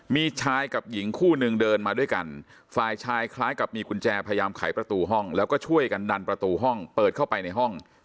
มีชายกับหญิงคู่นึงเดินมาด้วยกันฝ่ายชายคล้ายกับมีกุญแจพยายามไขประตูห้องแล้วก็ช่วยกันดันประตูห้องเปิดเข้าไปในห้อง